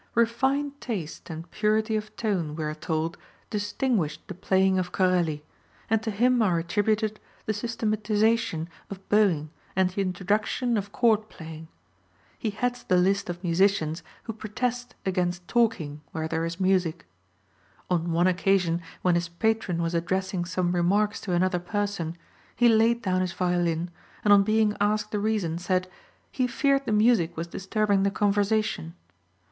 Refined taste and purity of tone, we are told, distinguished the playing of Corelli, and to him are attributed the systematization of bowing and the introduction of chord playing. He heads the list of musicians who protest against talking where there is music. On one occasion when his patron was addressing some remarks to another person, he laid down his violin, and on being asked the reason said "he feared the music was disturbing the conversation."